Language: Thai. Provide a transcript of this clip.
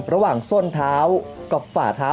ระหว่างส้นเท้ากับฝ่าเท้า